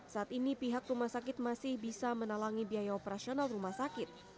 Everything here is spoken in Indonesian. saat ini pihak rumah sakit masih bisa menalangi biaya operasional rumah sakit